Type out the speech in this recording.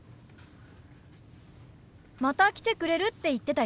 また来てくれるって言ってたよ。